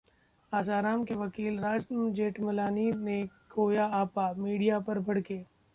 आसाराम के वकील राम जेठमलानी ने खोया आपा, मीडिया पर भड़के